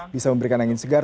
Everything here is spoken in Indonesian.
bisa memberikan angin segar